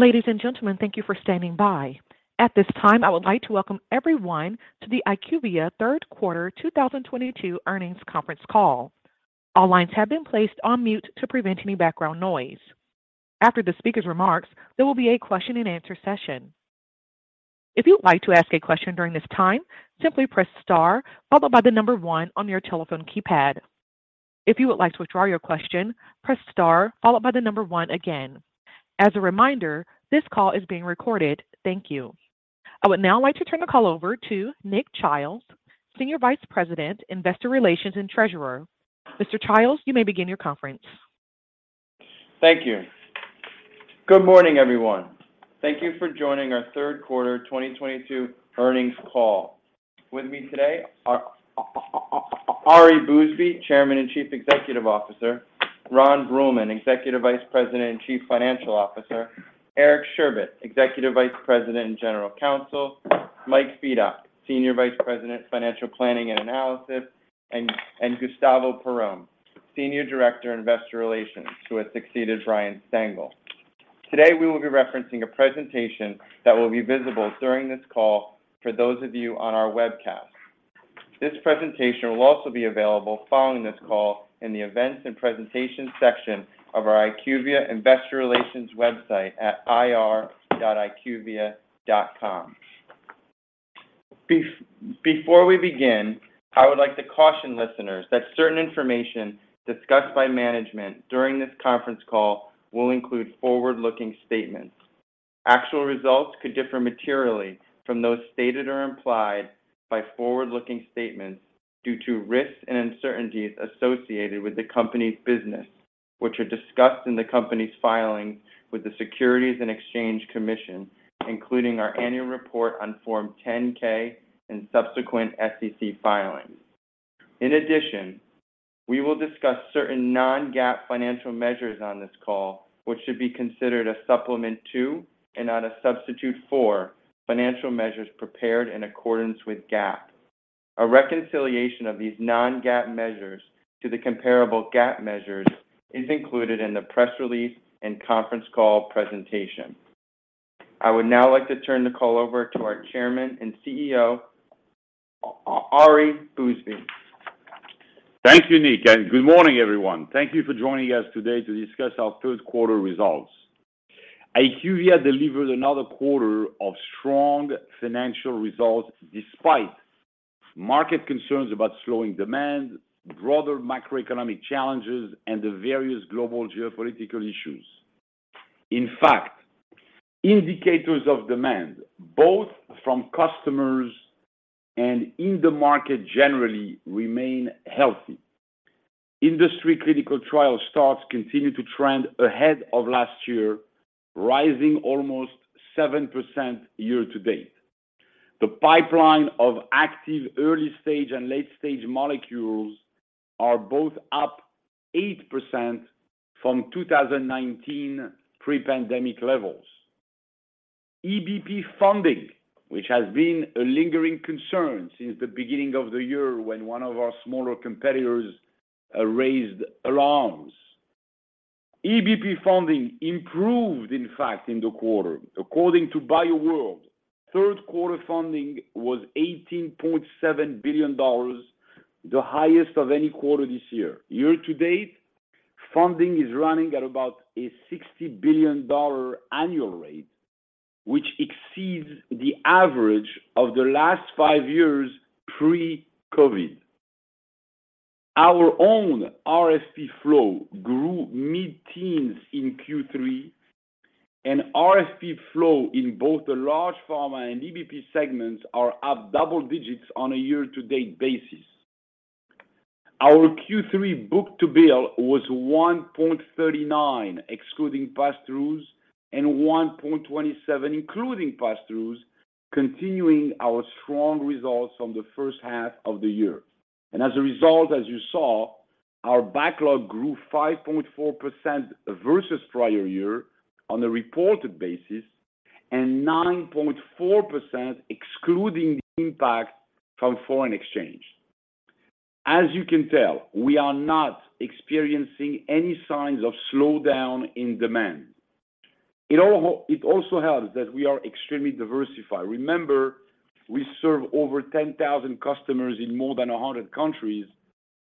Ladies and gentlemen, thank you for standing by. At this time, I would like to welcome everyone to the IQVIA Q3 2022 Earnings Conference Call. All lines have been placed on mute to prevent any background noise. After the speaker's remarks, there will be a question and answer session. If you'd like to ask a question during this time, simply press star followed by the number one on your telephone keypad. If you would like to withdraw your question, press star followed by the number one again. As a reminder, this call is being recorded. Thank you. I would now like to turn the call over to Nick Childs, SVP, Investor Relations and Treasurer. Mr. Childs, you may begin your conference. Thank you. Good morning, everyone. Thank you for joining our Q3 2022 earnings call. With me today are Ari Bousbib, Chairman and Chief Executive Officer, Ron Bruehlman, Executive Vice President and Chief Financial Officer, Eric Sherbet, Executive Vice President and General Counsel, Mike Fedock, Senior Vice President, Financial Planning and Analysis, and Gustavo Perrone, Senior Director, Investor Relations, who has succeeded Ryan Stangl. Today, we will be referencing a presentation that will be visible during this call for those of you on our webcast. This presentation will also be available following this call in the Events and Presentation section of our IQVIA Investor Relations website at ir.iqvia.com. Before we begin, I would like to caution listeners that certain information discussed by management during this conference call will include forward-looking statements. Actual results could differ materially from those stated or implied by forward-looking statements due to risks and uncertainties associated with the company's business, which are discussed in the company's filings with the Securities and Exchange Commission, including our annual report on Form 10-K and subsequent SEC filings. In addition, we will discuss certain non-GAAP financial measures on this call, which should be considered a supplement to and not a substitute for financial measures prepared in accordance with GAAP. A reconciliation of these non-GAAP measures to the comparable GAAP measures is included in the press release and conference call presentation. I would now like to turn the call over to our Chairman and CEO, Ari Bousbib. Thank you, Nick, and good morning, everyone. Thank you for joining us today to discuss our Q3 results. IQVIA delivered another quarter of strong financial results despite market concerns about slowing demand, broader macroeconomic challenges, and the various global geopolitical issues. In fact, indicators of demand, both from customers and in the market generally remain healthy. Industry clinical trial starts continue to trend ahead of last year, rising almost 7% year-to-date. The pipeline of active early-stage and late-stage molecules are both up 8% from 2019 pre-pandemic levels. EBP funding, which has been a lingering concern since the beginning of the year when one of our smaller competitors raised alarms. EBP funding improved, in fact, in the quarter. According to BioWorld, Q3 funding was $18.7 billion, the highest of any quarter this year. Year-to-date, funding is running at about a $60 billion annual rate, which exceeds the average of the last five years pre-COVID. Our own RFP flow grew mid-teens in Q3, and RFP flow in both the large pharma and EBP segments are up double digits on a year-to-date basis. Our Q3 book-to-bill was 1.39, excluding passthroughs, and 1.27, including passthroughs, continuing our strong results from the first half of the year. As a result, as you saw, our backlog grew 5.4% versus prior year on a reported basis and 9.4% excluding the impact from foreign exchange. As you can tell, we are not experiencing any signs of slowdown in demand. It also helps that we are extremely diversified. Remember, we serve over 10,000 customers in more than 100 countries,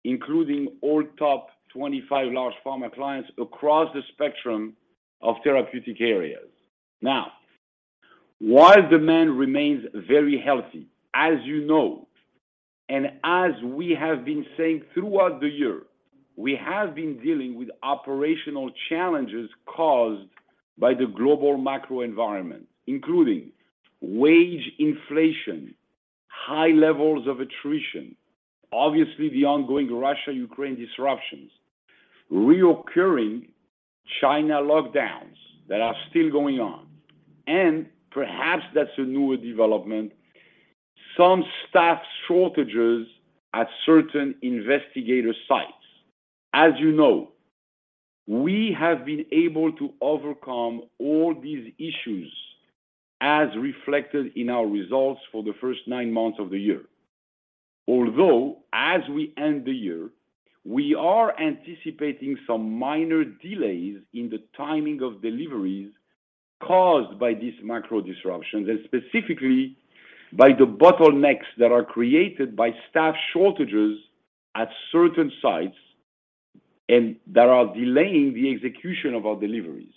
including all top 25 large pharma clients across the spectrum of therapeutic areas. Now, while demand remains very healthy, as you know, and as we have been saying throughout the year, we have been dealing with operational challenges caused by the global macro environment, including wage inflation, high levels of attrition, obviously the ongoing Russia-Ukraine disruptions, recurring China lockdowns that are still going on, and perhaps that's a newer development, some staff shortages at certain investigator sites. As you know, we have been able to overcome all these issues as reflected in our results for the first nine months of the year. Although, as we end the year, we are anticipating some minor delays in the timing of deliveries caused by these macro disruptions and specifically by the bottlenecks that are created by staff shortages at certain sites and that are delaying the execution of our deliveries.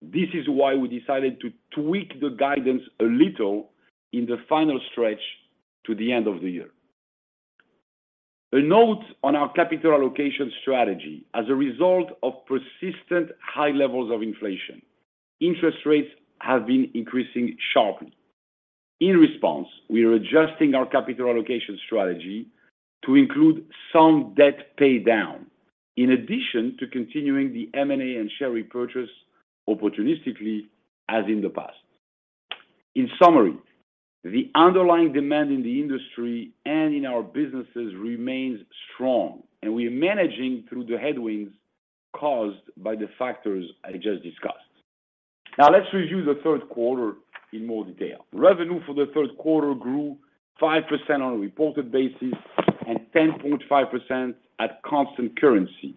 This is why we decided to tweak the guidance a little in the final stretch to the end of the year. A note on our capital allocation strategy. As a result of persistent high levels of inflation, interest rates have been increasing sharply. In response, we are adjusting our capital allocation strategy to include some debt pay down, in addition to continuing the M&A and share repurchase opportunistically as in the past. In summary, the underlying demand in the industry and in our businesses remains strong, and we are managing through the headwinds caused by the factors I just discussed. Now let's review the Q3 in more detail. Revenue for the Q3 grew 5% on a reported basis and 10.5% at constant currency.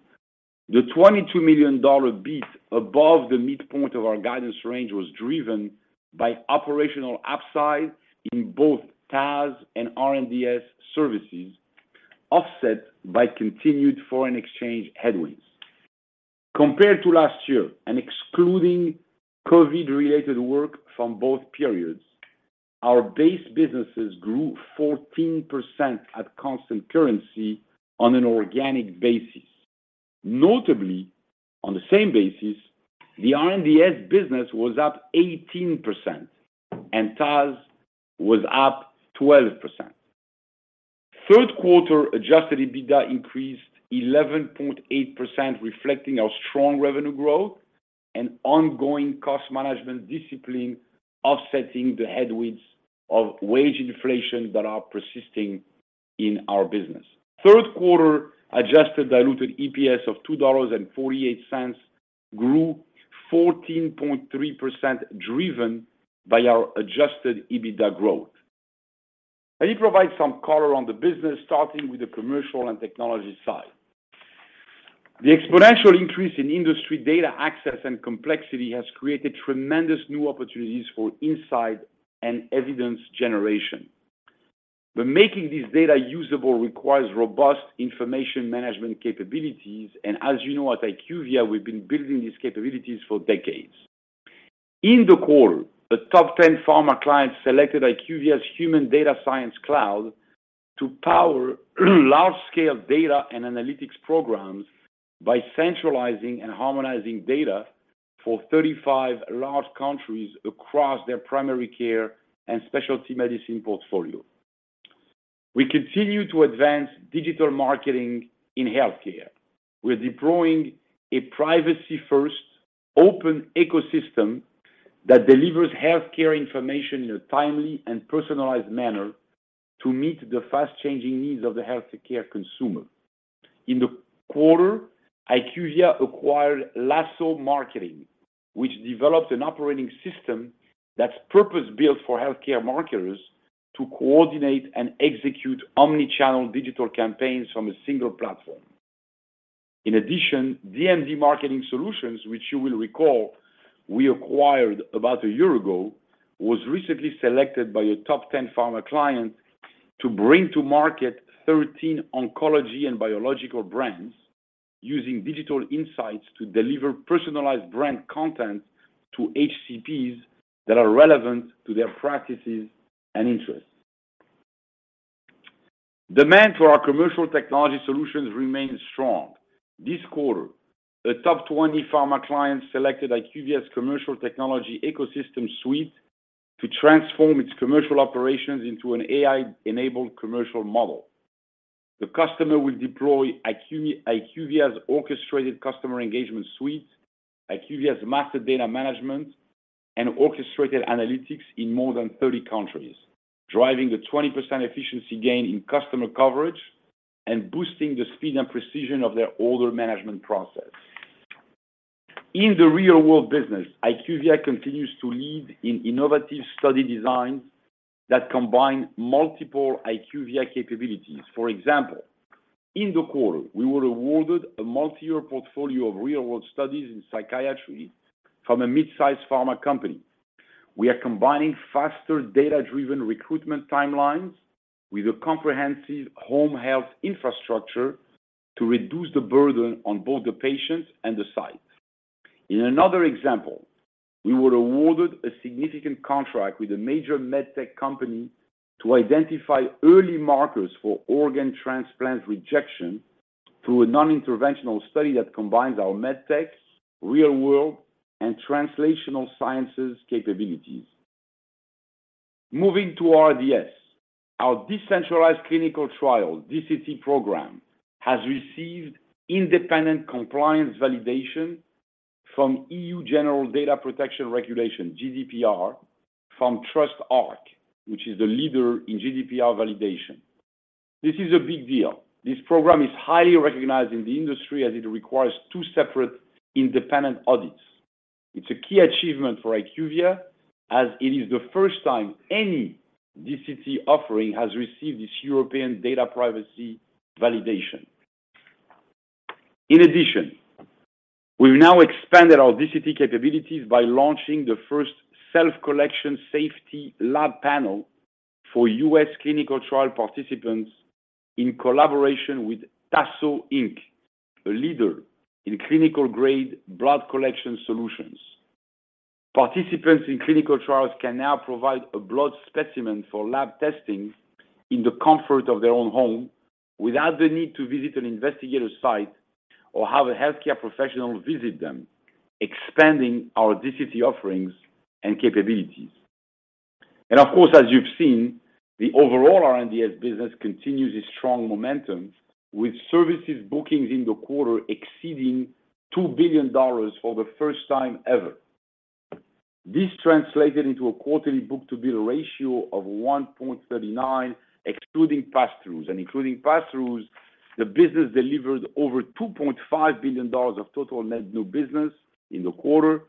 The $22 million beat above the midpoint of our guidance range was driven by operational upside in both TAS and R&DS services, offset by continued foreign exchange headwinds. Compared to last year, and excluding COVID-related work from both periods, our base businesses grew 14% at constant currency on an organic basis. Notably, on the same basis, the R&DS business was up 18% and TAS was up 12%. Q3 adjusted EBITDA increased 11.8%, reflecting our strong revenue growth and ongoing cost management discipline offsetting the headwinds of wage inflation that are persisting in our business. Q3 adjusted diluted EPS of $2.48 grew 14.3%, driven by our adjusted EBITDA growth. Let me provide some color on the business, starting with the commercial and technology side. The exponential increase in industry data access and complexity has created tremendous new opportunities for insight and evidence generation. Making this data usable requires robust information management capabilities and as you know at IQVIA, we've been building these capabilities for decades. In the call, the top ten pharma clients selected IQVIA's Human Data Science Cloud to power large scale data and analytics programs by centralizing and harmonizing data for 35 large countries across their primary care and specialty medicine portfolio. We continue to advance digital marketing in healthcare. We're deploying a privacy-first open ecosystem that delivers healthcare information in a timely and personalized manner to meet the fast-changing needs of the healthcare consumer. In the quarter, IQVIA acquired Lasso Marketing, which developed an operating system that's purpose-built for healthcare marketers to coordinate and execute omni-channel digital campaigns from a single platform. In addition, DMD Marketing Solutions, which you will recall we acquired about a year ago, was recently selected by a top 10 pharma client to bring to market 13 oncology and biological brands using digital insights to deliver personalized brand content to HCPs that are relevant to their practices and interests. Demand for our commercial technology solutions remains strong. This quarter, a top 20 pharma client selected IQVIA's commercial technology ecosystem suite to transform its commercial operations into an AI-enabled commercial model. The customer will deploy IQVIA's Orchestrated Customer Engagement Suite, IQVIA's Master Data Management and Orchestrated Analytics in more than 30 countries. Driving the 20% efficiency gain in customer coverage and boosting the speed and precision of their order management process. In the real-world business, IQVIA continues to lead in innovative study designs that combine multiple IQVIA capabilities. For example, in the quarter, we were awarded a multi-year portfolio of real-world studies in psychiatry from a mid-sized pharma company. We are combining faster data-driven recruitment timelines with a comprehensive home health infrastructure to reduce the burden on both the patients and the sites. In another example, we were awarded a significant contract with a major med tech company to identify early markers for organ transplant rejection through a non-interventional study that combines our med techs, real-world and translational sciences capabilities. Moving to RDS. Our Decentralized Clinical Trial, DCT program, has received independent compliance validation from EU General Data Protection Regulation, GDPR, from TrustArc, which is the leader in GDPR validation. This is a big deal. This program is highly recognized in the industry as it requires two separate independent audits. It's a key achievement for IQVIA as it is the first time any DCT offering has received this European data privacy validation. In addition, we've now expanded our DCT capabilities by launching the first self-collection safety lab panel for U.S. clinical trial participants in collaboration with Tasso, Inc., a leader in clinical-grade blood collection solutions. Participants in clinical trials can now provide a blood specimen for lab testing in the comfort of their own home without the need to visit an investigator site or have a healthcare professional visit them, expanding our DCT offerings and capabilities. Of course, as you've seen, the overall R&DS business continues its strong momentum with services bookings in the quarter exceeding $2 billion for the first time ever. This translated into a quarterly book-to-bill ratio of 1.39, excluding pass-throughs. Including pass-throughs, the business delivered over $2.5 billion of total net new business in the quarter,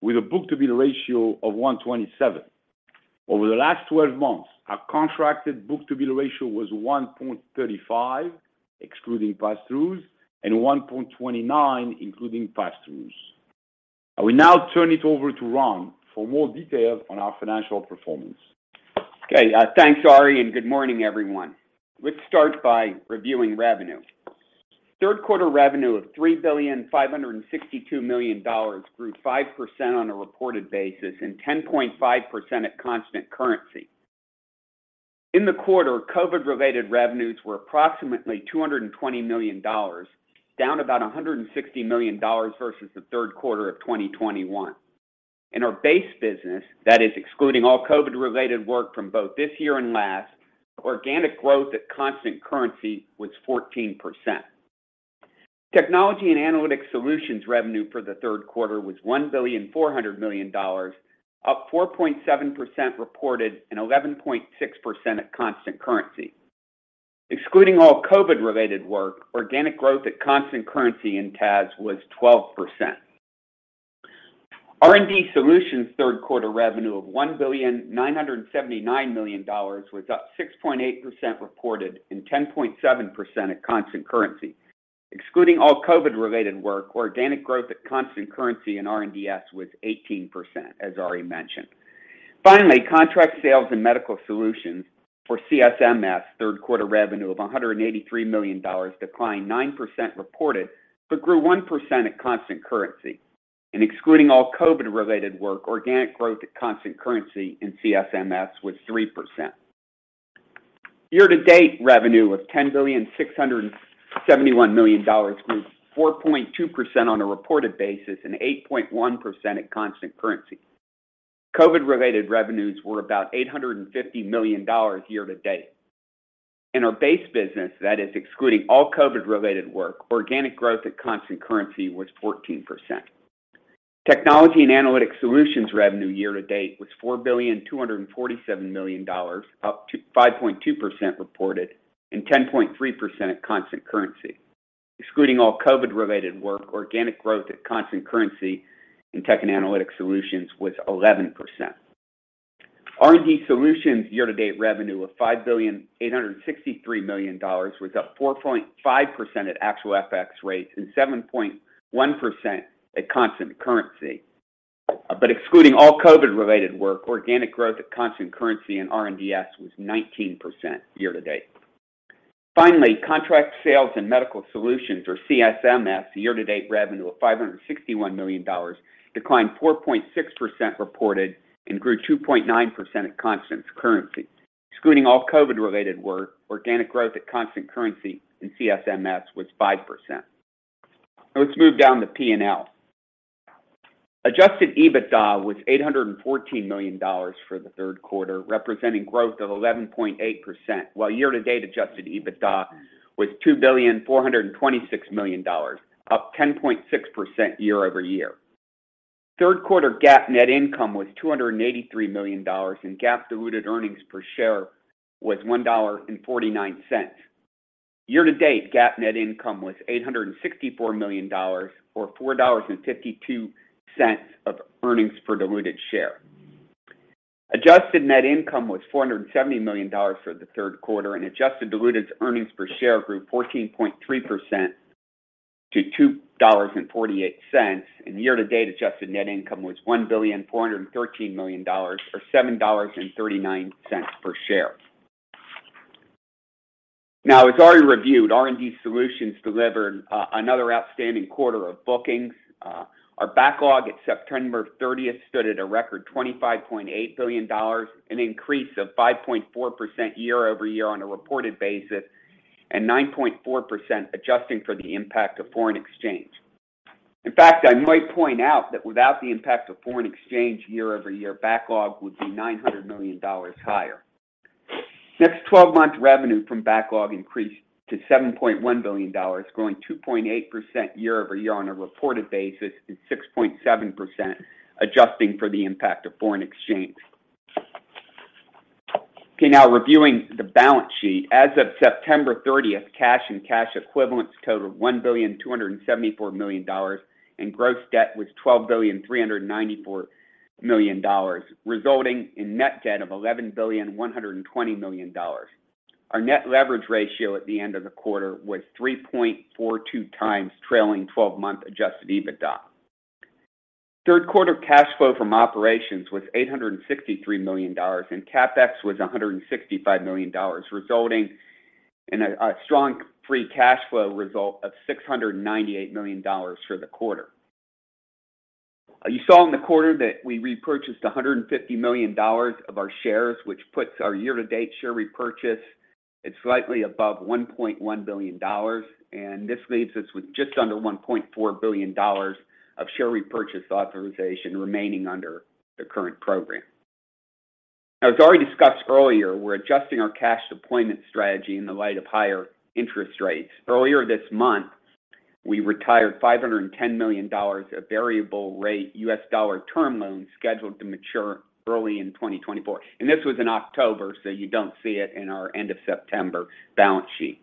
with a book-to-bill ratio of 1.27. Over the last 12 months, our contracted book-to-bill ratio was 1.35, excluding pass-throughs, and 1.29, including pass-throughs. I will now turn it over to Ron for more details on our financial performance. Okay. Thanks, Ari, and good morning, everyone. Let's start by reviewing revenue. Q3 revenue of $3.562 billion grew 5% on a reported basis and 10.5% at constant currency. In the quarter, COVID-related revenues were approximately $220 million, down about $160 million versus the Q3 of 2021. In our base business, that is excluding all COVID-related work from both this year and last, organic growth at constant currency was 14%. Technology and Analytics Solutions revenue for the Q3 was $1.4 billion, up 4.7% reported and 11.6% at constant currency. Excluding all COVID-related work, organic growth at constant currency in TAS was 12%. Research & Development Solutions' Q3 revenue of $1.979 billion was up 6.8% reported and 10.7% at constant currency. Excluding all COVID-related work, organic growth at constant currency in R&DS was 18%, as Ari mentioned. Finally, Contract Sales and Medical Solutions, for CSMS, Q3 revenue of $183 million declined 9% reported but grew 1% at constant currency. Excluding all COVID-related work, organic growth at constant currency in CSMS was 3%. Year-to-date revenue of $10.671 billion grew 4.2% on a reported basis and 8.1% at constant currency. COVID-related revenues were about $850 million year to date. In our base business, that is excluding all COVID-related work, organic growth at constant currency was 14%. Technology and Analytics Solutions revenue year-to-date was $4.247 billion, up 5.2% reported and 10.3% at constant currency. Excluding all COVID-related work, organic growth at constant currency in Tech and Analytics Solutions was 11%. R&D Solutions' year-to-date revenue of $5.863 billion was up 4.5% at actual FX rates and 7.1% at constant currency. Excluding all COVID-related work, organic growth at constant currency in R&DS was 19% year-to-date. Finally, Contract Sales and Medical Solutions, or CSMS, year-to-date revenue of $561 million declined 4.6% reported and grew 2.9% at constant currency. Excluding all COVID-related work, organic growth at constant currency in CSMS was 5%. Let's move down to P&L. Adjusted EBITDA was $814 million for the Q3, representing growth of 11.8%, while year-to-date adjusted EBITDA was $2,426 million, up 10.6% year-over-year. Q3 GAAP net income was $283 million, and GAAP diluted earnings per share was $1.49. Year-to-date GAAP net income was $864 million or $4.52 of earnings per diluted share. Adjusted net income was $470 million for the Q3, and adjusted diluted earnings per share grew 14.3% to $2.48. Year-to-date adjusted net income was $1,413 million or $7.39 per share. Now, as Ari reviewed, R&D Solutions delivered another outstanding quarter of bookings. Our backlog at September 30 stood at a record $25.8 billion, an increase of 5.4% year-over-year on a reported basis and 9.4% adjusting for the impact of foreign exchange. In fact, I might point out that without the impact of foreign exchange year-over-year, backlog would be $900 million higher. Next, 12-month revenue from backlog increased to $7.1 billion, growing 2.8% year-over-year on a reported basis and 6.7% adjusting for the impact of foreign exchange. Okay, now reviewing the balance sheet. As of September 30th, cash and cash equivalents totaled $1.274 billion and gross debt was $12.394 billion, resulting in net debt of $11.12 billion. Our net leverage ratio at the end of the quarter was 3.42x trailing 12-month adjusted EBITDA. Q3 cash flow from operations was $863 million, and CapEx was $165 million, resulting in a strong free cash flow result of $698 million for the quarter. You saw in the quarter that we repurchased $150 million of our shares, which puts our year-to-date share repurchase at slightly above $1.1 billion, and this leaves us with just under $1.4 billion of share repurchase authorization remaining under the current program. As already discussed earlier, we're adjusting our cash deployment strategy in the light of higher interest rates. Earlier this month, we retired $510 million of variable rate US dollar term loans scheduled to mature early in 2024. This was in October, so you don't see it in our end of September balance sheet.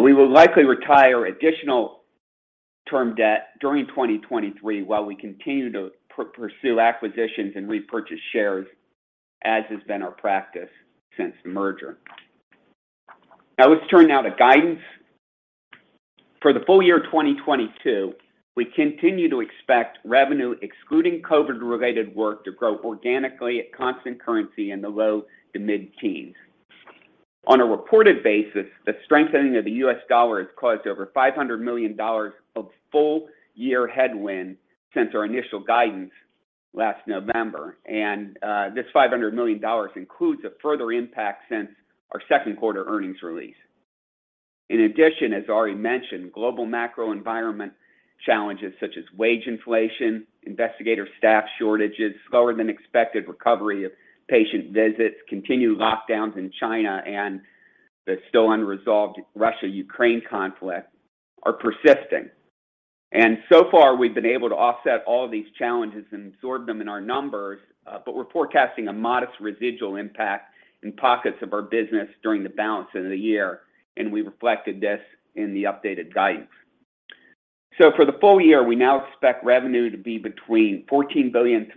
We will likely retire additional term debt during 2023 while we continue to pursue acquisitions and repurchase shares, as has been our practice since the merger. Now let's turn to guidance. For the full year 2022, we continue to expect revenue, excluding COVID-related work, to grow organically at constant currency in the low- to mid-teens%. On a reported basis, the strengthening of the U.S. dollar has caused over $500 million of full-year headwind since our initial guidance last November. This $500 million includes a further impact since our Q2 earnings release. In addition, as already mentioned, global macro environment challenges such as wage inflation, investigator staff shortages, slower than expected recovery of patient visits, continued lockdowns in China, and the still unresolved Russia-Ukraine conflict are persisting. So far, we've been able to offset all of these challenges and absorb them in our numbers, but we're forecasting a modest residual impact in pockets of our business during the balance of the year, and we reflected this in the updated guidance. For the full year, we now expect revenue to be between $14.325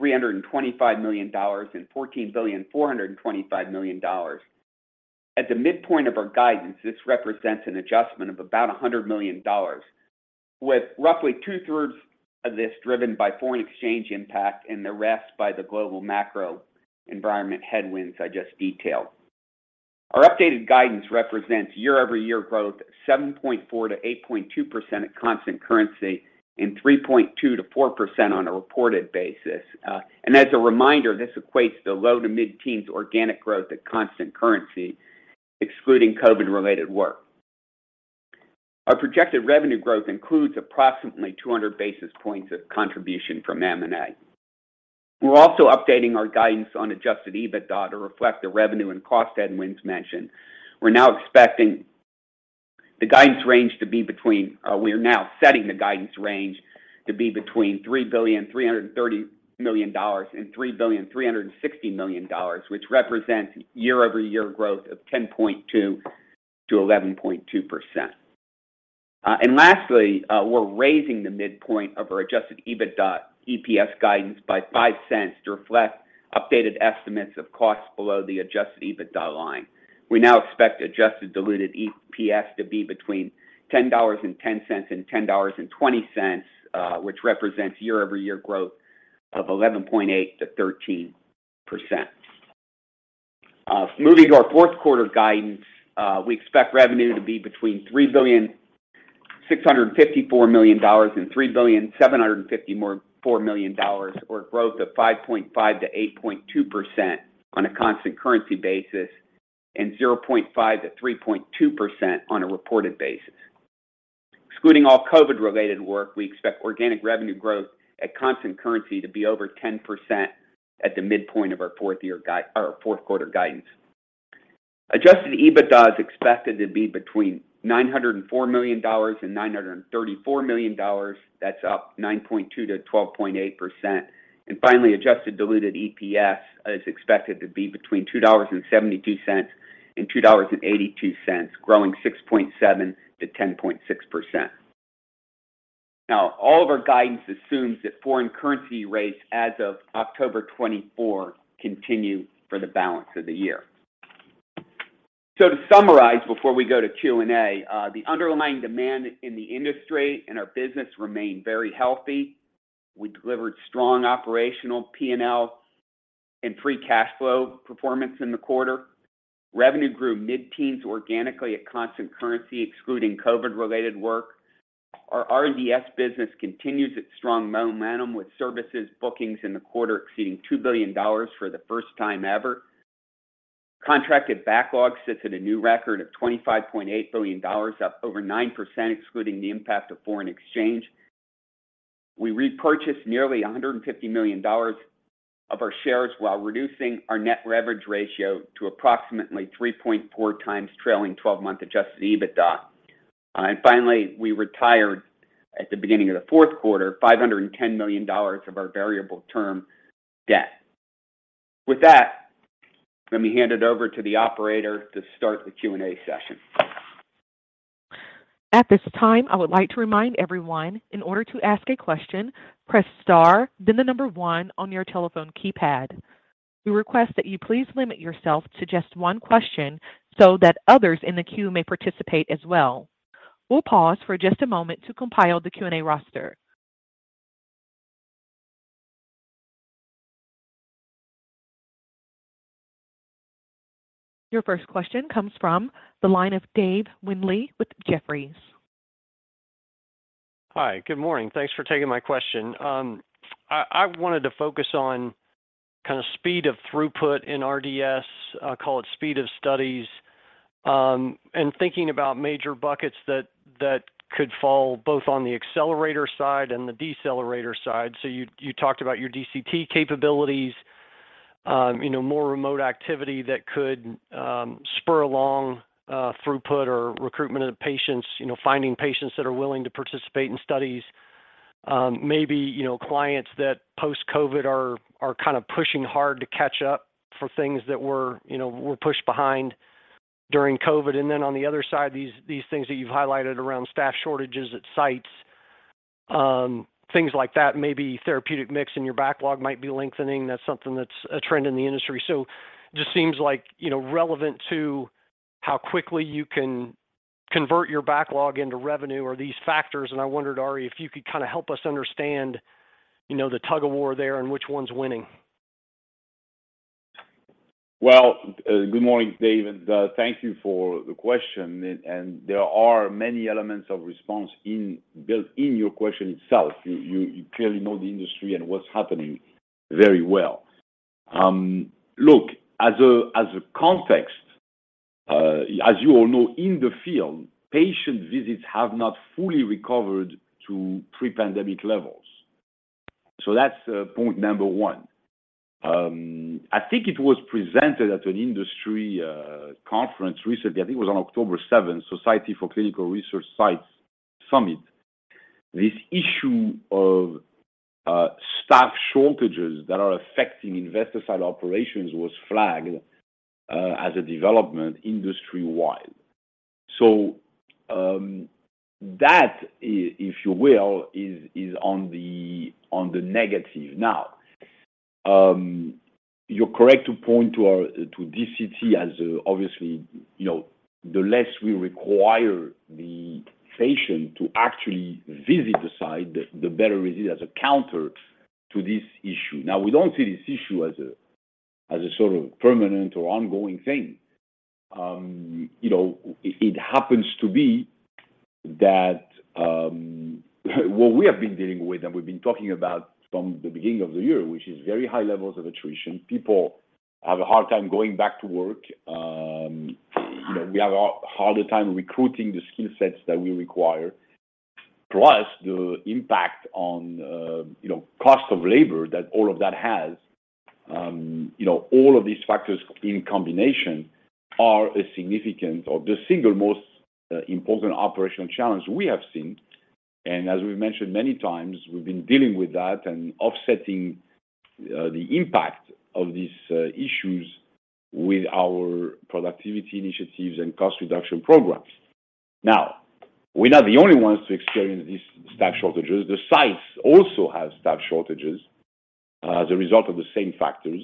billion and $14.425 billion. At the midpoint of our guidance, this represents an adjustment of about $100 million, with roughly two-thirds of this driven by foreign exchange impact and the rest by the global macro environment headwinds I just detailed. Our updated guidance represents year-over-year growth 7.4%-8.2% at constant currency and 3.2%-4% on a reported basis. As a reminder, this equates to low- to mid-teens organic growth at constant currency, excluding COVID-related work. Our projected revenue growth includes approximately 200 basis points of contribution from M&A. We're also updating our guidance on Adjusted EBITDA to reflect the revenue and cost headwinds mentioned. We're now setting the guidance range to be between $3.33 billion and $3.36 billion, which represents year-over-year growth of 10.2%-11.2%. Lastly, we're raising the midpoint of our adjusted EBITDA and EPS guidance by $0.05 to reflect updated estimates of costs below the adjusted EBITDA line. We now expect adjusted diluted EPS to be between $10.10 and $10.20, which represents year-over-year growth of 11.8%-13%. Moving to our Q4 guidance, we expect revenue to be between $3.654 billion and $3.754 billion, or growth of 5.5%-8.2% on a constant currency basis and 0.5%-3.2% on a reported basis. Excluding all COVID-related work, we expect organic revenue growth at constant currency to be over 10% at the midpoint of our Q4 guidance. Adjusted EBITDA is expected to be between $904 million and $934 million. That's up 9.2%-12.8%. Finally, Adjusted Diluted EPS is expected to be between $2.72 and $2.82, growing 6.7%-10.6%. Now, all of our guidance assumes that foreign currency rates as of October 2024 continue for the balance of the year. To summarize, before we go to Q&A, the underlying demand in the industry and our business remain very healthy. We delivered strong operational P&L and free cash flow performance in the quarter. Revenue grew mid-teens% organically at constant currency, excluding COVID-related work. Our RDS business continues its strong momentum, with services bookings in the quarter exceeding $2 billion for the first time ever. Contracted backlog sits at a new record of $25.8 billion, up over 9% excluding the impact of foreign exchange. We repurchased nearly $150 million of our shares while reducing our net leverage ratio to approximately 3.4 times trailing twelve-month Adjusted EBITDA. Finally, we retired at the beginning of the Q4 $510 million of our variable term debt. With that, let me hand it over to the operator to start the Q&A session. At this time, I would like to remind everyone in order to ask a question, press star, then the number one on your telephone keypad. We request that you please limit yourself to just one question so that others in the queue may participate as well. We'll pause for just a moment to compile the Q&A roster. Your first question comes from the line of Dave Windley with Jefferies. Hi. Good morning. Thanks for taking my question. I wanted to focus on kind of speed of throughput in RDS, call it speed of studies, and thinking about major buckets that could fall both on the accelerator side and the decelerator side. You talked about your DCT capabilities, you know, more remote activity that could spur along throughput or recruitment of patients, you know, finding patients that are willing to participate in studies. Maybe, you know, clients that post-COVID are kind of pushing hard to catch up for things that were, you know, pushed behind during COVID. Then on the other side, these things that you've highlighted around staff shortages at sites, things like that, maybe therapeutic mix in your backlog might be lengthening. That's something that's a trend in the industry. Just seems like, you know, relevant to how quickly you can convert your backlog into revenue or these factors. I wondered, Ari, if you could kind of help us understand, you know, the tug-of-war there and which one's winning. Well, good morning, Dave, and thank you for the question. And there are many elements of response built in your question itself. You clearly know the industry and what's happening very well. Look, as a context, as you all know, in the field, patient visits have not fully recovered to pre-pandemic levels. That's point number one. I think it was presented at an industry conference recently. I think it was on October seventh, Society for Clinical Research Sites summit. This issue of staff shortages that are affecting investigator site operations was flagged as a development industry-wide. That if you will, is on the negative. You're correct to point to our DCT as, obviously, the less we require the patient to actually visit the site, the better it is as a counter to this issue. Now, we don't see this issue as a sort of permanent or ongoing thing. What we have been dealing with and we've been talking about from the beginning of the year, which is very high levels of attrition. People have a hard time going back to work. We have a harder time recruiting the skill sets that we require. Plus the impact on cost of labor that all of that has. All of these factors in combination are a significant or the single most important operational challenge we have seen. As we've mentioned many times, we've been dealing with that and offsetting the impact of these issues with our productivity initiatives and cost reduction programs. Now, we're not the only ones to experience these staff shortages. The sites also have staff shortages as a result of the same factors.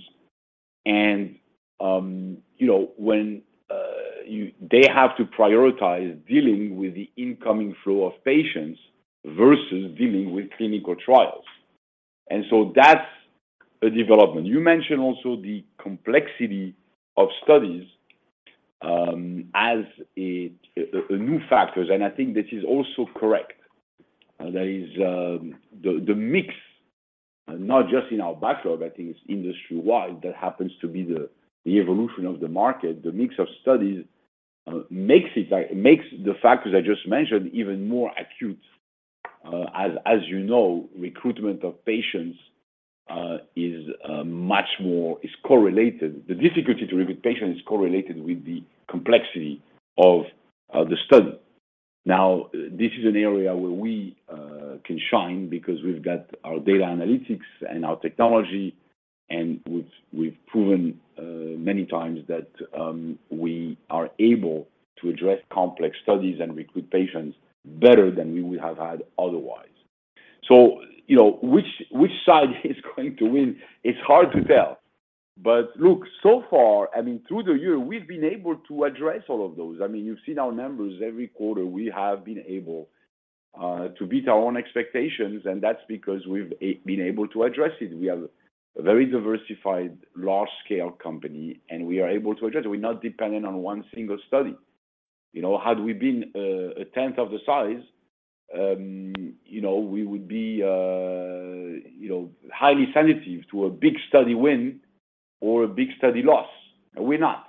You know, when they have to prioritize dealing with the incoming flow of patients versus dealing with clinical trials. That's a development. You mentioned also the complexity of studies as a new factors. I think this is also correct. There is the mix, not just in our backlog, I think it's industry-wide, that happens to be the evolution of the market. The mix of studies makes the factors I just mentioned even more acute. As you know, recruitment of patients is much more correlated. The difficulty to recruit patients is correlated with the complexity of the study. Now, this is an area where we can shine because we've got our data analytics and our technology, and we've proven many times that we are able to address complex studies and recruit patients better than we would have had otherwise. You know, which side is going to win? It's hard to tell. Look, so far, I mean, through the year, we've been able to address all of those. I mean, you've seen our numbers every quarter. We have been able to beat our own expectations, and that's because we've been able to address it. We have a very diversified large-scale company, and we are able to address it. We're not dependent on one single study. You know, had we been a tenth of the size, you know, we would be you know, highly sensitive to a big study win or a big study loss, and we're not.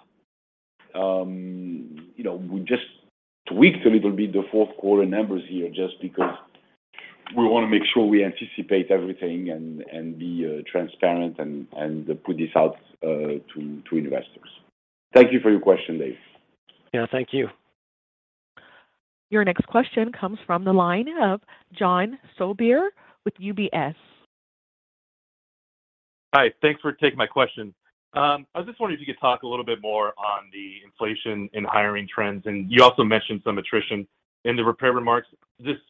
You know, we just tweaked a little bit the Q4 numbers here just because we want to make sure we anticipate everything and be transparent and put this out to investors. Thank you for your question, Dave. Yeah, thank you. Your next question comes from the line of John Sourbeer with UBS. Hi, thanks for taking my question. I was just wondering if you could talk a little bit more on the inflation and hiring trends. You also mentioned some attrition in the prepared remarks. Just,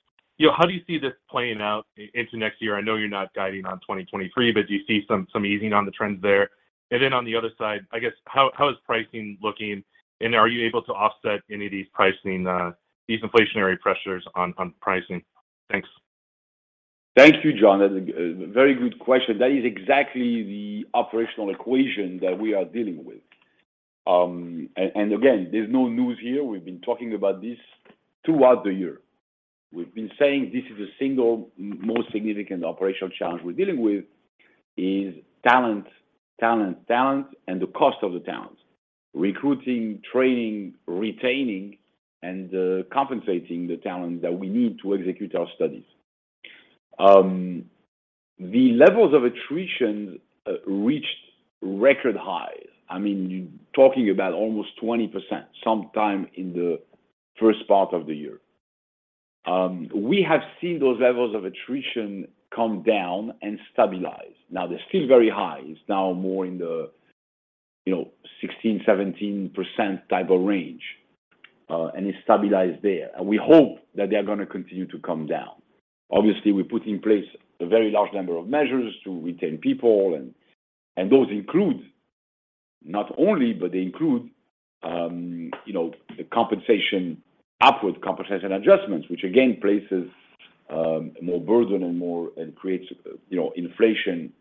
how do you see this playing out into next year? I know you're not guiding on 2023, but do you see some easing on the trends there? On the other side, I guess, how is pricing looking, and are you able to offset any of these inflationary pressures on pricing? Thanks. Thank you, John. That's a very good question. That is exactly the operational equation that we are dealing with. Again, there's no news here. We've been talking about this throughout the year. We've been saying this is the single most significant operational challenge we're dealing with, is talent and the cost of the talent. Recruiting, training, retaining, and compensating the talent that we need to execute our studies. The levels of attrition reached record highs. I mean, you're talking about almost 20% sometime in the first part of the year. We have seen those levels of attrition come down and stabilize. Now, they're still very high. It's now more in the, you know, 16%-17% type of range, and it's stabilized there. We hope that they are gonna continue to come down. Obviously, we put in place a very large number of measures to retain people and those include, not only, but they include, you know, the compensation, upward compensation adjustments, which again places more burden and creates, you know, inflation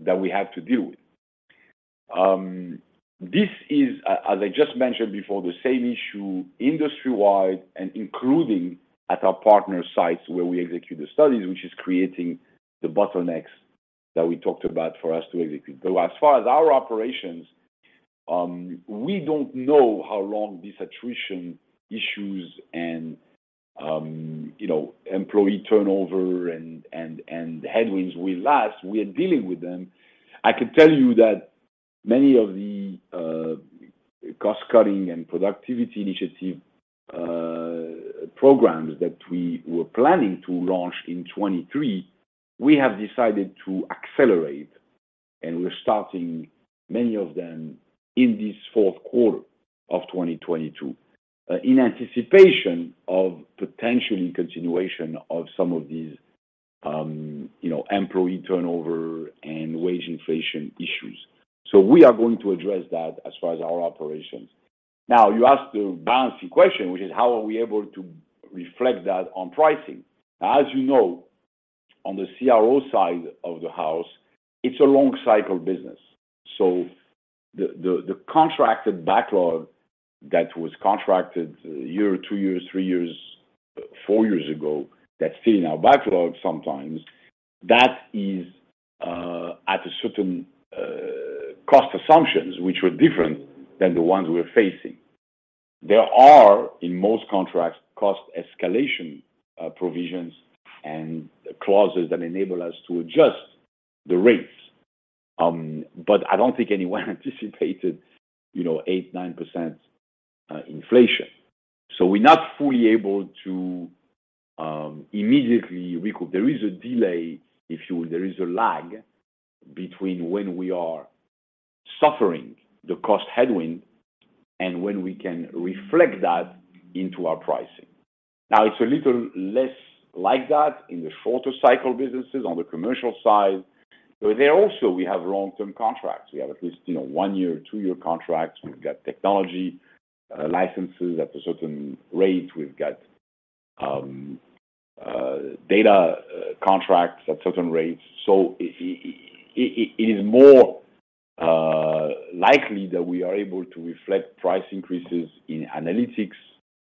that we have to deal with. This is as I just mentioned before, the same issue industry-wide and including at our partner sites where we execute the studies, which is creating the bottlenecks that we talked about for us to execute. As far as our operations, we don't know how long these attrition issues and, you know, employee turnover and headwinds will last. We are dealing with them. I can tell you that many of the cost-cutting and productivity initiative programs that we were planning to launch in 2023, we have decided to accelerate, and we're starting many of them in this Q4 of 2022, in anticipation of potentially continuation of some of these, you know, employee turnover and wage inflation issues. We are going to address that as far as our operations. Now, you asked a balancing question, which is how are we able to reflect that on pricing? As you know, on the CRO side of the house, it's a long cycle business. The contracted backlog that was contracted a year, two years, three years, four years ago that's still in our backlog sometimes, that is at a certain cost assumptions which were different than the ones we're facing. There are, in most contracts, cost escalation provisions and clauses that enable us to adjust the rates. I don't think anyone anticipated, you know, 8%-9% inflation. We're not fully able to immediately recoup. There is a delay, if you will. There is a lag between when we are suffering the cost headwind and when we can reflect that into our pricing. Now, it's a little less like that in the shorter cycle businesses on the commercial side. There also, we have long-term contracts. We have at least, you know, 1-year, 2-year contracts. We've got technology licenses at a certain rate. We've got data contracts at certain rates. It is more likely that we are able to reflect price increases in analytics,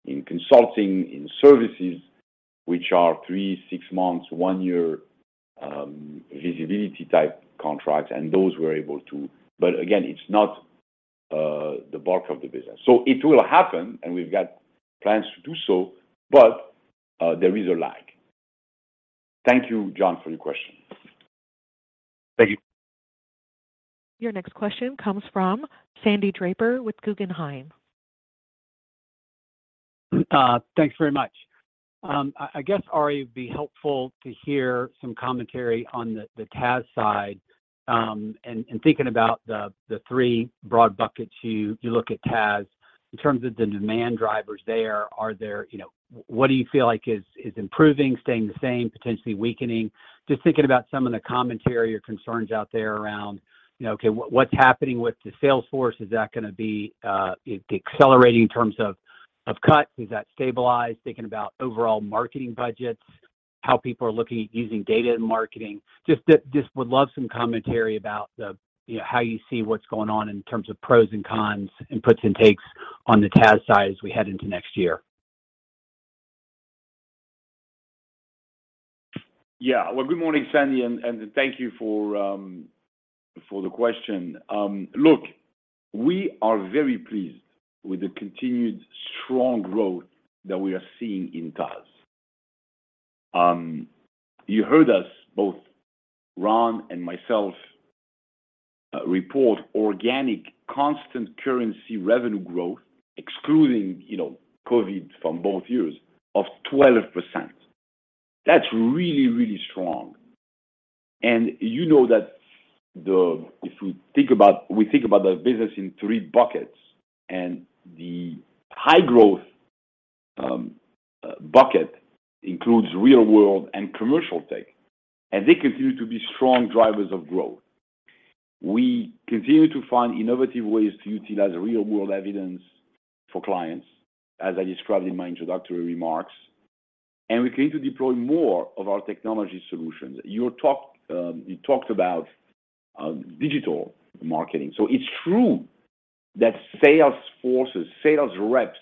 in consulting, in services, which are 3, 6 months, 1 year visibility type contracts, and those we're able to. Again, it's not the bulk of the business. It will happen, and we've got plans to do so, but there is a lag. Thank you, John, for your question. Thank you. Your next question comes from Sandy Draper with Guggenheim. Thanks very much. I guess, Ari, it'd be helpful to hear some commentary on the TAS side. Thinking about the three broad buckets you look at TAS. In terms of the demand drivers there, what do you feel like is improving, staying the same, potentially weakening? Just thinking about some of the commentary or concerns out there around, you know, okay, what's happening with the sales force? Is that gonna be accelerating in terms of cuts? Is that stabilized? Thinking about overall marketing budgets, how people are looking at using data in marketing. Just would love some commentary about, you know, how you see what's going on in terms of pros and cons, puts and takes on the TAS side as we head into next year. Yeah. Well, good morning, Sandy, and thank you for the question. Look, we are very pleased with the continued strong growth that we are seeing in TAS. You heard us, both Ron and myself, report organic constant currency revenue growth, excluding, you know, COVID from both years, of 12%. That's really, really strong. You know that if we think about the business in three buckets and the high growth bucket includes real world and commercial tech, and they continue to be strong drivers of growth. We continue to find innovative ways to utilize real world evidence for clients, as I described in my introductory remarks, and we continue to deploy more of our technology solutions. You talked about digital marketing. It's true that sales forces, sales reps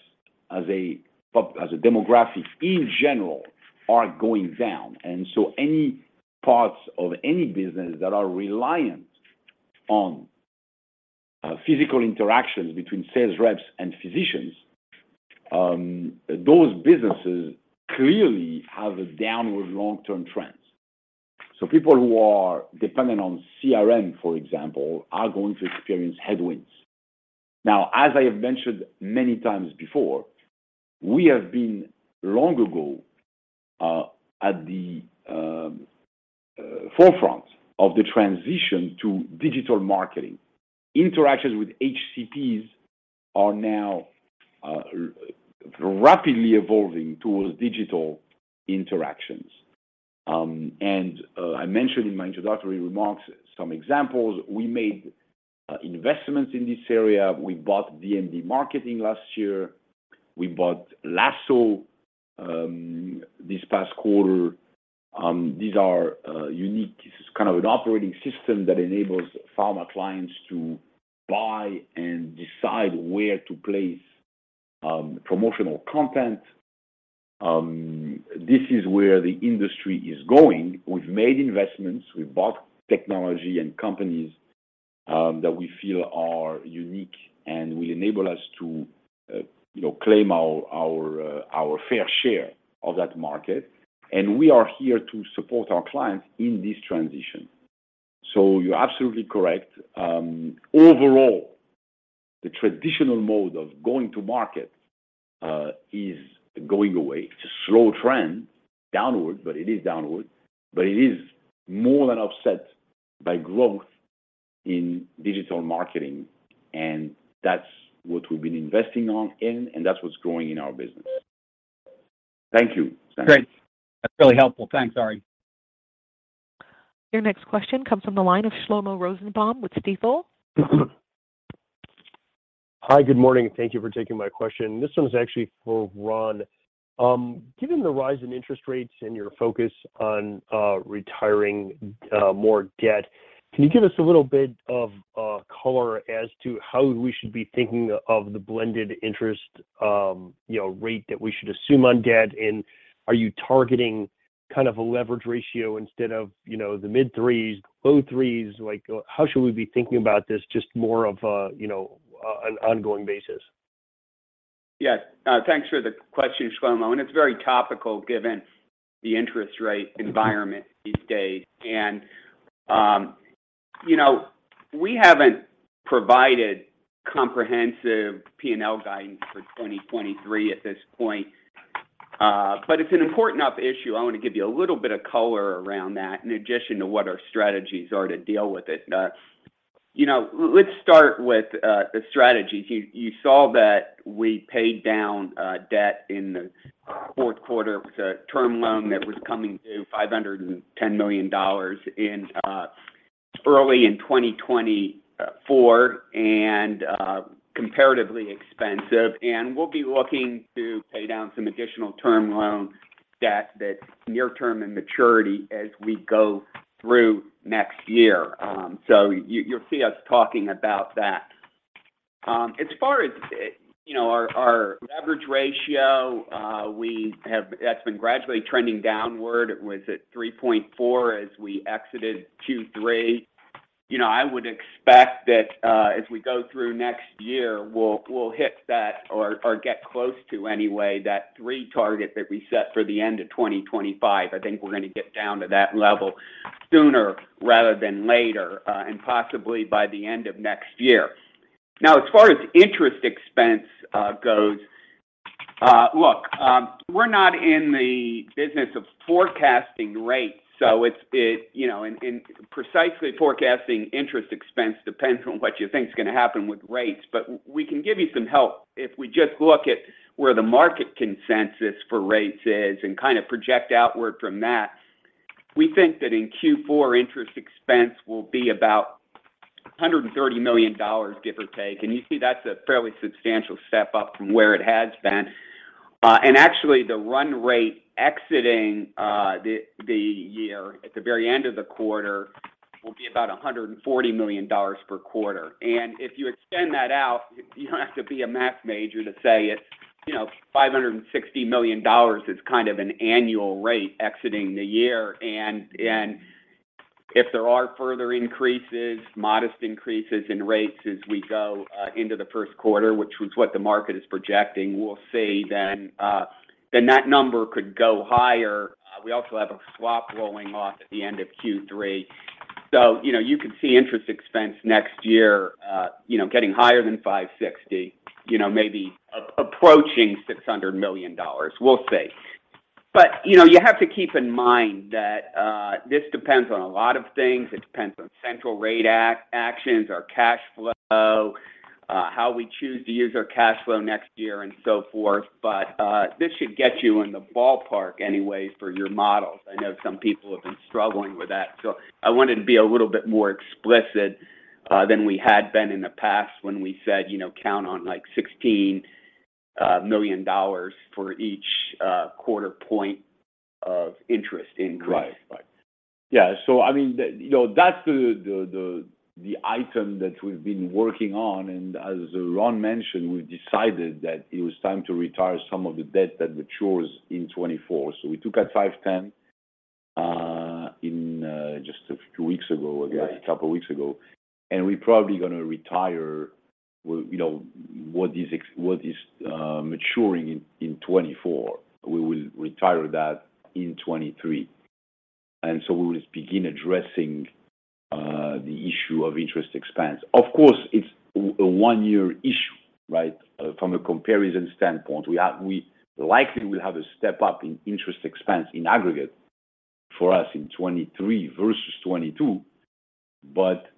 as a demographic in general are going down. Any parts of any business that are reliant on physical interactions between sales reps and physicians, those businesses clearly have a downward long-term trend. People who are dependent on CRM, for example, are going to experience headwinds. Now, as I have mentioned many times before, we have been long ago at the forefront of the transition to digital marketing. Interactions with HCPs are now rapidly evolving towards digital interactions. I mentioned in my introductory remarks some examples. We made investments in this area. We bought DMD Marketing last year. We bought Lasso this past quarter. These are unique. This is kind of an operating system that enables pharma clients to buy and decide where to place promotional content. This is where the industry is going. We've made investments. We've bought technology and companies that we feel are unique and will enable us to you know claim our fair share of that market. We are here to support our clients in this transition. You're absolutely correct. Overall, the traditional mode of going to market is going away. It's a slow trend downward, but it is downward. It is more than offset by growth in digital marketing, and that's what we've been investing in, and that's what's growing in our business. Thank you. Great. That's really helpful. Thanks, Ari. Your next question comes from the line of Shlomo Rosenbaum with Stifel. Hi, good morning, and thank you for taking my question. This one is actually for Ron. Given the rise in interest rates and your focus on retiring more debt, can you give us a little bit of color as to how we should be thinking of the blended interest rate that we should assume on debt? Are you targeting kind of a leverage ratio instead of the mid threes, low threes? Like, how should we be thinking about this just more of an ongoing basis? Yes. Thanks for the question, Shlomo, and it's very topical given the interest rate environment these days. You know, we haven't provided comprehensive P&L guidance for 2023 at this point, but it's an important enough issue. I want to give you a little bit of color around that in addition to what our strategies are to deal with it. Let's start with the strategies. You saw that we paid down debt in the Q4. It was a term loan that was coming due $510 million in early 2024 and comparatively expensive. We'll be looking to pay down some additional term loan debt that's near term in maturity as we go through next year. You'll see us talking about that. As far as you know, our leverage ratio, that's been gradually trending downward. It was at 3.4 as we exited 2023. You know, I would expect that as we go through next year, we'll hit that or get close to anyway that 3 target that we set for the end of 2025. I think we're gonna get down to that level sooner rather than later, and possibly by the end of next year. Now, as far as interest expense goes, look, we're not in the business of forecasting rates, so it's you know, and precisely forecasting interest expense depends on what you think is gonna happen with rates. We can give you some help if we just look at where the market consensus for rates is and kind of project outward from that. We think that in Q4, interest expense will be about $130 million, give or take. You see that's a fairly substantial step up from where it has been. Actually the run rate exiting the year at the very end of the quarter will be about $140 million per quarter. If you extend that out, you don't have to be a math major to say it's you know, $560 million is kind of an annual rate exiting the year. If there are further increases, modest increases in rates as we go into the Q1, which was what the market is projecting, we'll see then that number could go higher. We also have a swap rolling off at the end of Q3. You know, you could see interest expense next year getting higher than $560 million, you know, maybe approaching $600 million. We'll see. You know, you have to keep in mind that this depends on a lot of things. It depends on central rate actions, our cash flow, how we choose to use our cash flow next year, and so forth. This should get you in the ballpark anyway for your models. I know some people have been struggling with that, so I wanted to be a little bit more explicit than we had been in the past when we said, you know, count on like $16 million for each quarter point of interest increase. Right. Yeah. I mean, you know, that's the item that we've been working on. As Ron mentioned, we've decided that it was time to retire some of the debt that matures in 2024. We took that 5.10 just a few weeks ago, I guess. A couple of weeks ago. We're probably gonna retire, you know, what is maturing in 2024. We will retire that in 2023. We will begin addressing the issue of interest expense. Of course, it's a one-year issue, right? From a comparison standpoint, we likely will have a step up in interest expense in aggregate for us in 2023 versus 2022.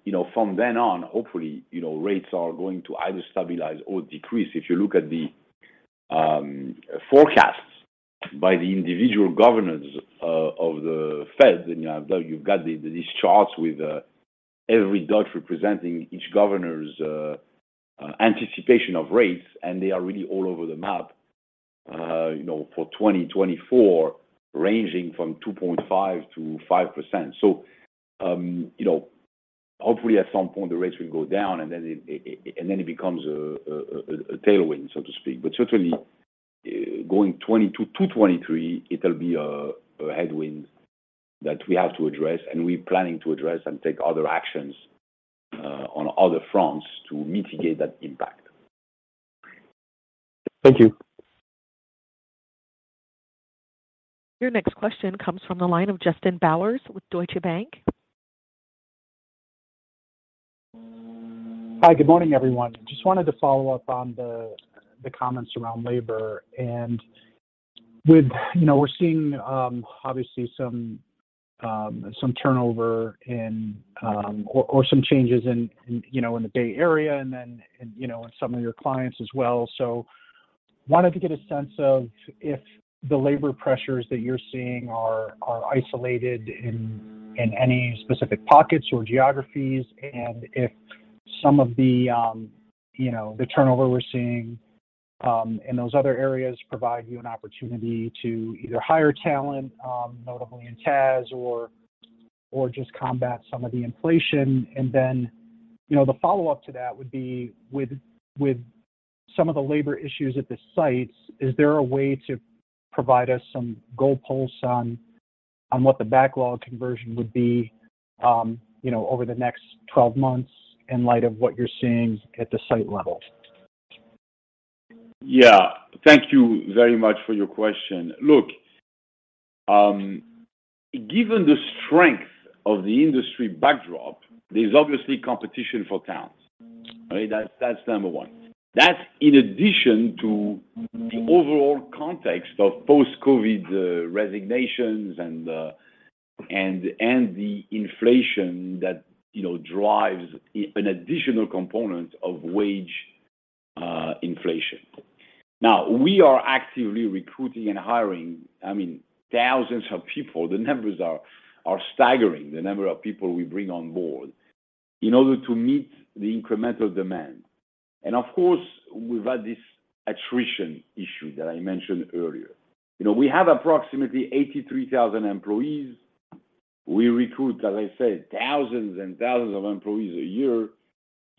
You know, from then on, hopefully, you know, rates are going to either stabilize or decrease. If you look at the forecasts by the individual governors of the Fed, then you have though you've got these charts with every dot representing each governor's anticipation of rates, and they are really all over the map, you know, for 2024 ranging from 2.5%-5%. You know, hopefully at some point the rates will go down, and then it becomes a tailwind, so to speak. Certainly, going 2022 to 2023, it'll be a headwind that we have to address, and we're planning to address and take other actions on other fronts to mitigate that impact. Thank you. Your next question comes from the line of Justin Bowers with Deutsche Bank. Hi, good morning, everyone. Just wanted to follow up on the comments around labor. With, you know, we're seeing obviously some turnover and some changes in, you know, in the Bay Area and then, you know, in some of your clients as well. Wanted to get a sense of if the labor pressures that you're seeing are isolated in any specific pockets or geographies, and if some of the, you know, the turnover we're seeing in those other areas provide you an opportunity to either hire talent, notably in TAS or just combat some of the inflation. You know, the follow-up to that would be with some of the labor issues at the sites, is there a way to provide us some goalposts on what the backlog conversion would be, you know, over the next 12 months in light of what you're seeing at the site level? Yeah. Thank you very much for your question. Look, given the strength of the industry backdrop, there's obviously competition for talent. All right? That's number one. That's in addition to the overall context of post-COVID, resignations and the inflation that, you know, drives an additional component of wage inflation. Now, we are actively recruiting and hiring, I mean, thousands of people. The numbers are staggering, the number of people we bring on board in order to meet the incremental demand. Of course, we've had this attrition issue that I mentioned earlier. You know, we have approximately 83,000 employees. We recruit, as I said, thousands and thousands of employees a year.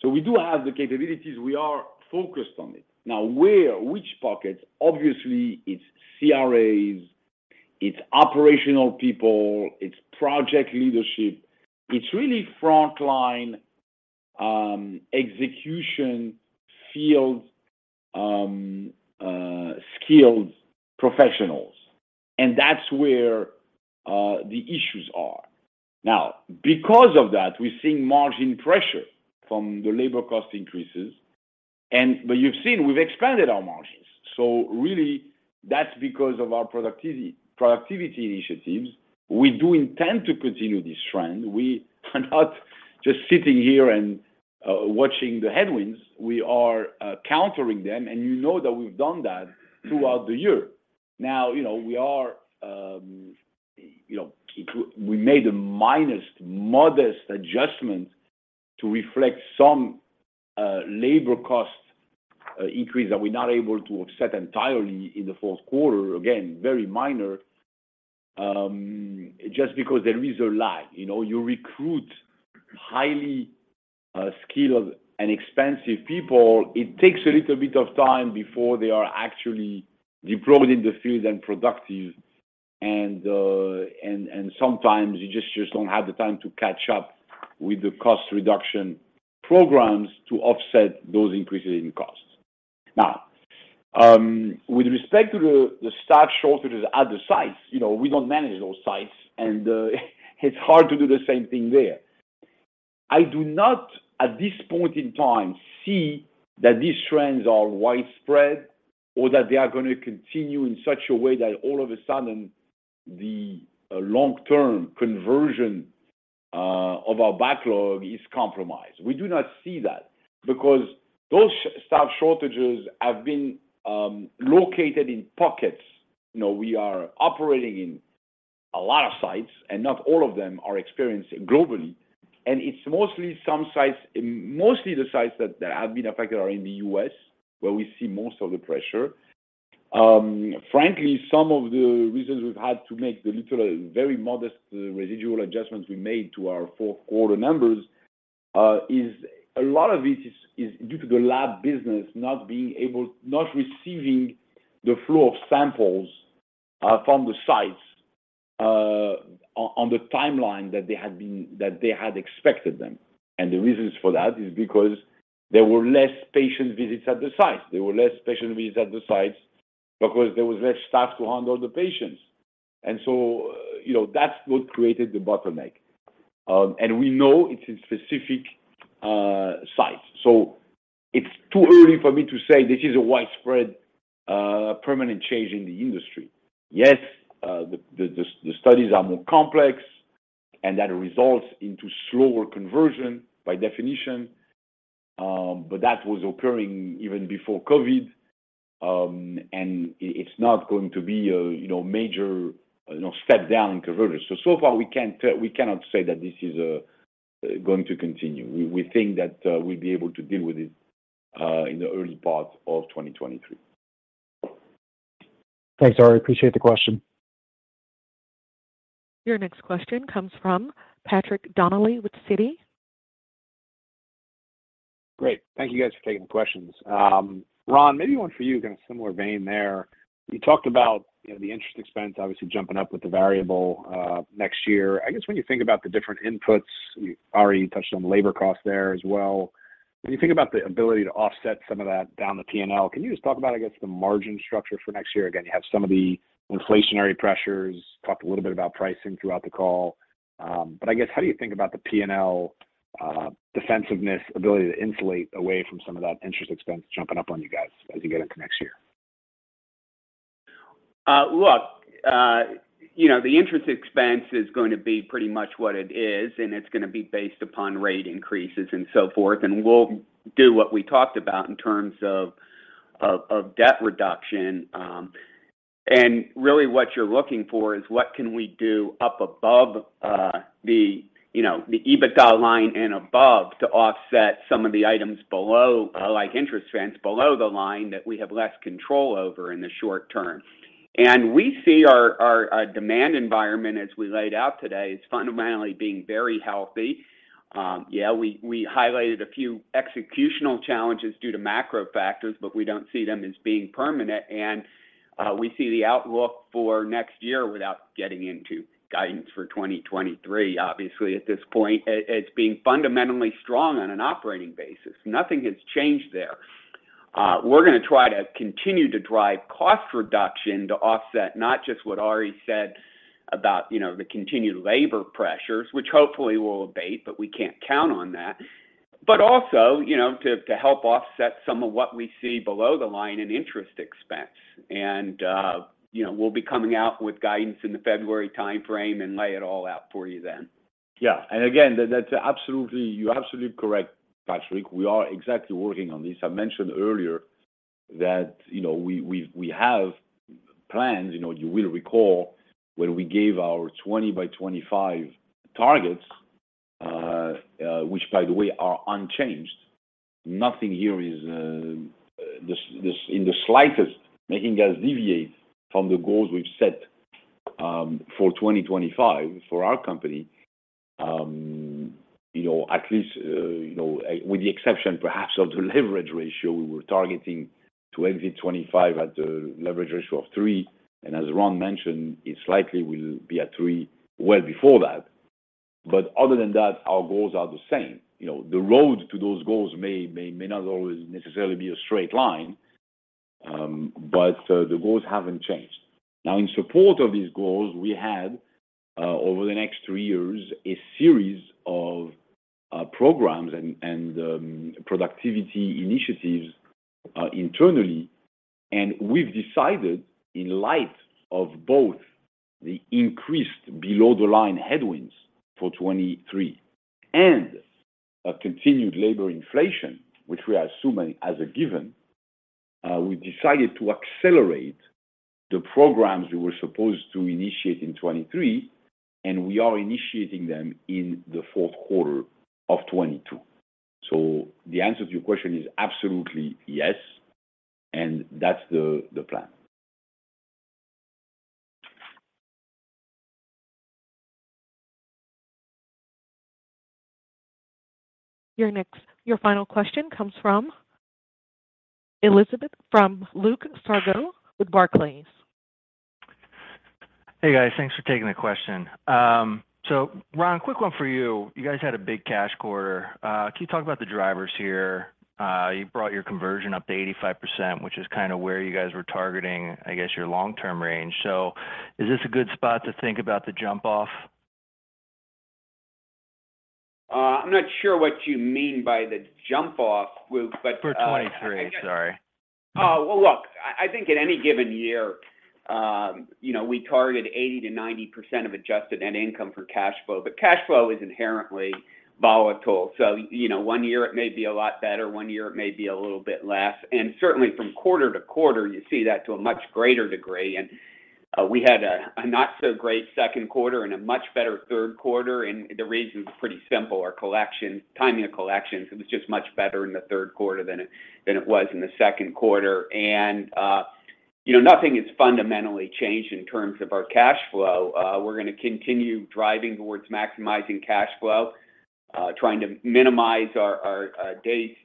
We do have the capabilities. We are focused on it. Now, where, which pockets? Obviously, it's CRAs, it's operational people, it's project leadership. It's really frontline execution field skilled professionals, and that's where the issues are. Now, because of that, we're seeing margin pressure from the labor cost increases, but you've seen we've expanded our margins. Really that's because of our productivity initiatives. We do intend to continue this trend. We are not just sitting here and watching the headwinds. We are countering them, and you know that we've done that throughout the year. Now, you know, we are, you know, we made a modest adjustment to reflect some labor cost increase that we're not able to offset entirely in the Q4. Again, very minor. Just because there is a lag. You know, you recruit highly skilled and expensive people. It takes a little bit of time before they are actually deployed in the field and productive. Sometimes you just don't have the time to catch up with the cost reduction programs to offset those increases in costs. Now, with respect to the staff shortages at the sites, you know, we don't manage those sites and it's hard to do the same thing there. I do not, at this point in time, see that these trends are widespread or that they are gonna continue in such a way that all of a sudden the long-term conversion of our backlog is compromised. We do not see that because those staff shortages have been located in pockets. You know, we are operating in a lot of sites, and not all of them are experienced globally. It's mostly the sites that have been affected are in the U.S., where we see most of the pressure. Frankly, some of the reasons we've had to make the little, very modest residual adjustments we made to our Q4 numbers is a lot of it is due to the lab business not receiving the flow of samples from the sites on the timeline that they had expected them. The reasons for that is because there were less patient visits at the sites. There were less patient visits at the sites because there was less staff to handle the patients. You know, that's what created the bottleneck. We know it's in specific sites. It's too early for me to say this is a widespread, permanent change in the industry. Yes, the studies are more complex and that results into slower conversion by definition, but that was occurring even before COVID. It's not going to be a, you know, major, you know, step down in conversion. So far we cannot say that this is going to continue. We think that we'll be able to deal with it in the early part of 2023. Thanks, I Appreciate the question. Your next question comes from Patrick Donnelly with Citi. Great. Thank you guys for taking the questions. Ron, maybe one for you in a similar vein there. You talked about, you know, the interest expense obviously jumping up with the variable next year. I guess when you think about the different inputs, you already touched on labor costs there as well. When you think about the ability to offset some of that down the P&L, can you just talk about, I guess, the margin structure for next year? Again, you have some of the inflationary pressures. Talked a little bit about pricing throughout the call. But I guess, how do you think about the P&L, defensiveness ability to insulate away from some of that interest expense jumping up on you guys as you get into next year? Look, you know, the interest expense is going to be pretty much what it is, and it's gonna be based upon rate increases and so forth. We'll do what we talked about in terms of debt reduction. Really what you're looking for is what can we do up above, you know, the EBITDA line and above to offset some of the items below, like interest expense below the line that we have less control over in the short term. We see our demand environment, as we laid out today, is fundamentally being very healthy. Yeah, we highlighted a few executional challenges due to macro factors, but we don't see them as being permanent. We see the outlook for next year without getting into guidance for 2023. Obviously at this point, it's being fundamentally strong on an operating basis. Nothing has changed there. We're gonna try to continue to drive cost reduction to offset not just what Ari said about, you know, the continued labor pressures, which hopefully will abate, but we can't count on that. But also, you know, to help offset some of what we see below the line in interest expense. We'll be coming out with guidance in the February timeframe and lay it all out for you then. Yeah. Again, that's absolutely correct, Patrick. We are exactly working on this. I mentioned earlier that, you know, we have plans. You know, you will recall when we gave our 2025 targets, which by the way are unchanged. Nothing here is this in the slightest making us deviate from the goals we've set for 2025 for our company. You know, at least, you know, with the exception perhaps of the leverage ratio, we were targeting 2025 at a leverage ratio of 3. As Ron mentioned, it likely will be at 3 well before that. Other than that, our goals are the same. You know, the road to those goals may not always necessarily be a straight line, but the goals haven't changed. Now, in support of these goals, we had over the next three years a series of programs and productivity initiatives internally. We've decided in light of both the increased below the line headwinds for 2023 and a continued labor inflation, which we are assuming as a given, we decided to accelerate the programs we were supposed to initiate in 2023, and we are initiating them in the Q4 of 2022. The answer to your question is absolutely yes. That's the plan. Our final question comes from Luke Sergott with Barclays. Hey guys, thanks for taking the question. So Ron, quick one for you. You guys had a big cash quarter. Can you talk about the drivers here? You brought your conversion up to 85%, which is kinda where you guys were targeting, I guess your long-term range. Is this a good spot to think about the jump off? I'm not sure what you mean by the jump off, Luke, but. For 2023, sorry. I think at any given year, you know, we target 80%-90% of adjusted net income for cash flow, but cash flow is inherently volatile. You know, one year it may be a lot better, one year it may be a little bit less, and certainly from quarter to quarter you see that to a much greater degree. We had a not so great Q2 and a much better Q3. The reason's pretty simple. Timing of collections was just much better in the Q3 than it was in the Q2. You know, nothing has fundamentally changed in terms of our cash flow. We're gonna continue driving towards maximizing cash flow, trying to minimize our days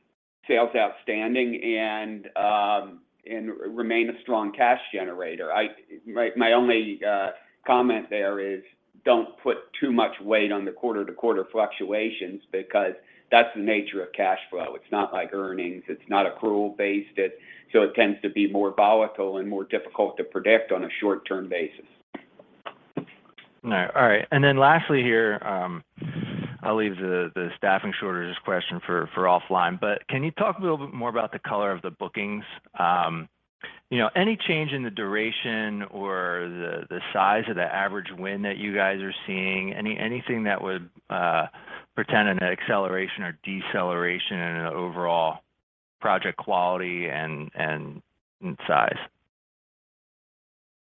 sales outstanding and remain a strong cash generator. My only comment there is don't put too much weight on the quarter-to-quarter fluctuations because that's the nature of cash flow. It's not like earnings. It's not accrual based. So it tends to be more volatile and more difficult to predict on a short-term basis. All right. Lastly here, I'll leave the staffing shortages question for offline, but can you talk a little bit more about the color of the bookings? You know, any change in the duration or the size of the average win that you guys are seeing? Anything that would portend an acceleration or deceleration in an overall project quality and in size?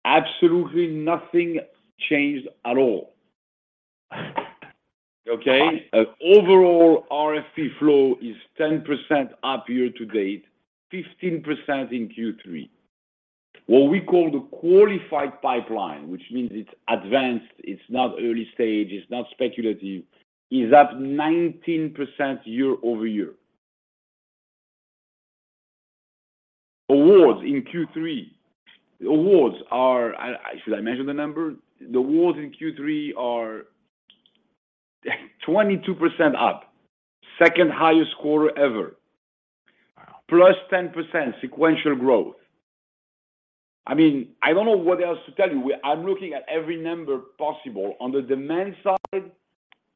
Absolutely nothing changed at all. Okay? Overall, RFP flow is 10% up year to date, 15% in Q3. What we call the qualified pipeline, which means it's advanced, it's not early stage, it's not speculative, is up 19% year-over-year. Awards in Q3. Should I mention the number? The awards in Q3 are 22% up. Second highest quarter ever. Wow. Plus 10% sequential growth. I mean, I don't know what else to tell you. I'm looking at every number possible. On the demand side,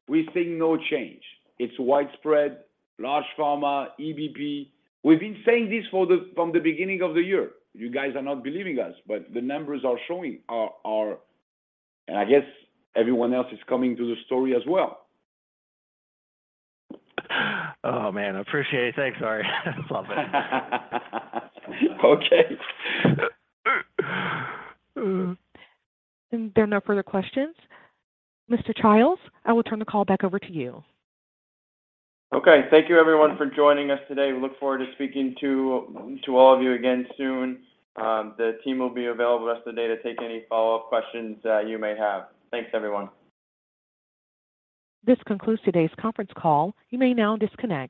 we're seeing no change. It's widespread, large pharma, EBP. We've been saying this from the beginning of the year. You guys are not believing us, but the numbers are showing are. I guess everyone else is coming to the story as well. Oh man, appreciate it. Thanks. Sorry. Love it. Okay. There are no further questions. Nick Childs, I will turn the call back over to you. Okay. Thank you everyone for joining us today. We look forward to speaking to all of you again soon. The team will be available the rest of the day to take any follow-up questions that you may have. Thanks everyone. This concludes today's conference call. You may now disconnect.